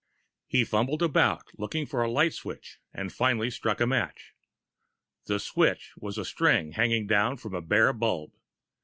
He fumbled about, looking for a light switch, and finally struck a match. The switch was a string hanging down from a bare bulb.